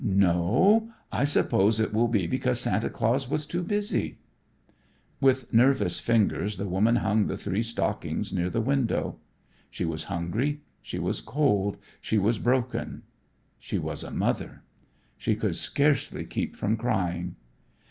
"No, I suppose it will be because Santa Claus was too busy." With nervous fingers the woman hung the three stockings near the window. She was hungry, she was cold, she was broken, she was a mother. She could scarcely keep from crying.